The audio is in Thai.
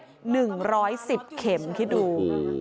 คนนี้เย็บ๑๑๐เข็มคิดดู